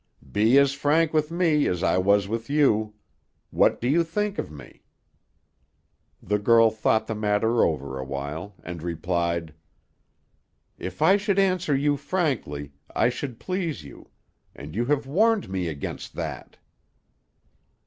"Be as frank with me as I was with you. What do you think of me?" The girl thought the matter over for a while, and replied, "If I should answer you frankly, I should please you; and you have warned me against that."